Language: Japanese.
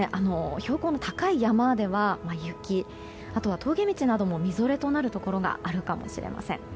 標高の高い山では雪あとは峠道などもみぞれとなるところがあるかもしれません。